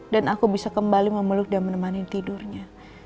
dan aku bisa kembali memeluk dan menemani tidurnya